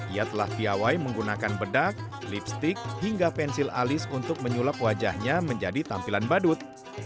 ia telah piawai menggunakan bedak lipstick hingga pensil alis untuk menyulap wajahnya menjadi tampilan badut